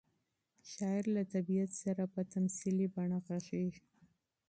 شاعر له طبیعت سره په تمثیلي بڼه غږېږي.